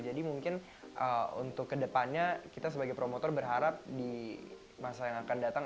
jadi mungkin untuk kedepannya kita sebagai promotor berharap di masa yang akan datang